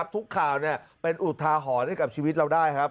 ทุกข่าวเป็นอุทาหรณ์ให้กับชีวิตเราได้ครับ